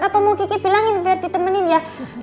apa mau kiki bilangin biar ditemenin ya